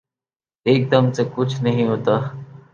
ایک دم سے کچھ نہیں ہوتا۔